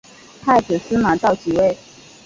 太子司马绍即位。